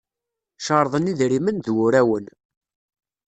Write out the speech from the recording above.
Cerḍen idrimen d wurawen.